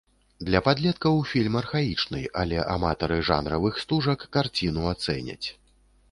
Для падлеткаў фільм архаічны, але аматары жанравых стужак карціну ацэняць.